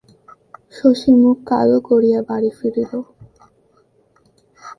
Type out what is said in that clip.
শশী মুখ কালো করিয়া বাড়ি ফিরিল।